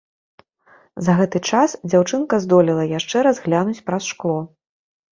За гэты час дзяўчынка здолела яшчэ раз глянуць праз шкло.